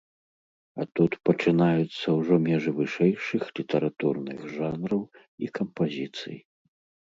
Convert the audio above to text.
А тут пачынаюцца ўжо межы вышэйшых літаратурных жанраў і кампазіцый.